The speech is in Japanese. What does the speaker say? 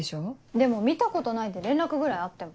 でも見たことないって連絡ぐらいあっても。